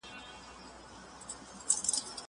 زه بايد سينه سپين وکړم؟!